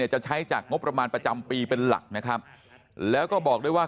จะใช้จากงบประมาณประจำปีเป็นหลักนะครับแล้วก็บอกด้วยว่า